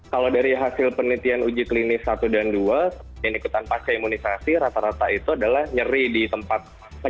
kalau dari hasil penelitian uji klinis satu dan dua yang ikutan pasca imunisasi rata rata itu adalah nyeri di tempat